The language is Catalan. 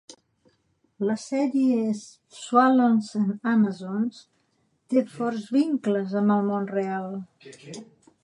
La sèrie "Swallows and Amazons" té forts vincles amb el món real.